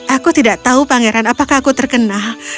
aku tidak tahu pangeran apakah aku terkenal